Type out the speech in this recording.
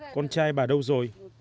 con trai bà đâu rồi